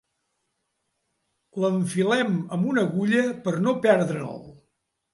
L'enfilem amb una agulla per no perdre'l.